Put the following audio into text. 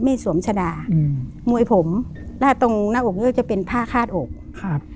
ที่สวมชดาอืมมวยผมแล้วตรงนั่งอกเข้าก็จะเป็นผ้าฆาตอกครับ